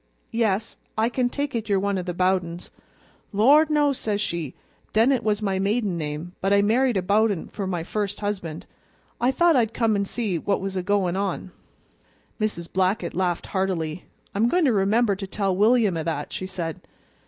'Yes, I can take it you're one o' the Bowdens.' 'Lor', no,' says she. 'Dennett was my maiden name, but I married a Bowden for my first husband. I thought I'd come an' just see what was a goin' on!" Mrs. Blackett laughed heartily. "I'm goin' to remember to tell William o' that," she said.